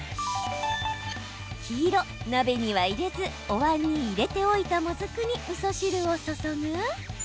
黄色・鍋には入れずおわんに入れておいたもずくに、みそ汁を注ぐ？